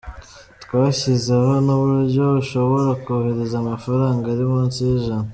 Twashyizeho n’uburyo ushobora kohereza amafaranga ari munsi y’ijana.